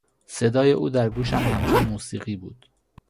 صدای او در گوشم همچون موسیقی بود.